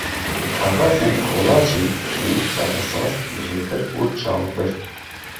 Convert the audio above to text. Kaxezên kolacê, pênûsa risas, jêbir û cawbir.